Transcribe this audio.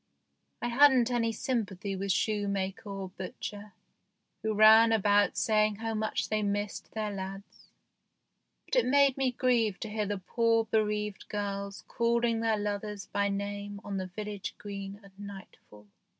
I hadn't any sympathy with shoemaker or butcher, who ran about saying how much they missed their lads, but it made me grieve to hear the poor bereaved girls calling their lovers by name on the village green at nightfall.